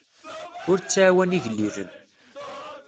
Ur tɛawen igellilen.